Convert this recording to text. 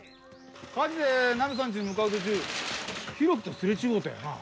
火事でナミさんちに向かう途中浩喜とすれ違うたよな？